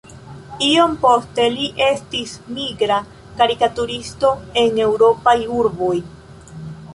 Iom poste li estis migra karikaturisto en eŭropaj urboj.